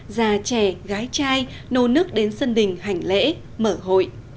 già trẻ gái trai nô nức đến sân đình hành lễ mở hội